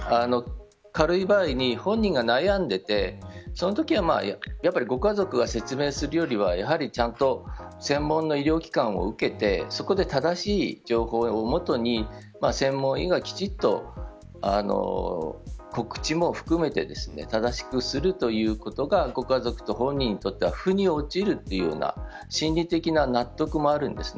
軽い場合に本人が悩んでいてそのときはご家族が説明するよりはやはりちゃんと専門の医療機関を受けてそこで正しい情報を基に専門医がきちんと告知も含めて正しくするということがご家族と本人にとってはふに落ちるというような心理的ななところもあるんですね。